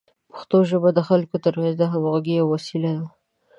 پښتو ژبه د خلکو ترمنځ د همغږۍ یوه وسیله ده.